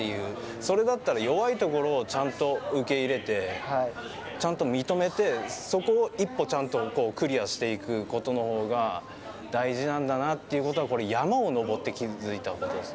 それだったら弱いところをちゃんと受け入れて、ちゃんと認めて、そこを１歩ちゃんとクリアしていくことのほうが、大事なんだなということは、山を登って気付いたことです。